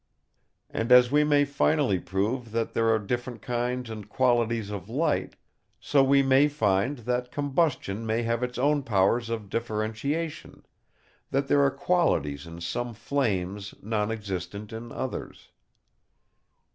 And as we may finally prove that there are different kinds and qualities of light, so we may find that combustion may have its own powers of differentiation; that there are qualities in some flames non existent in others.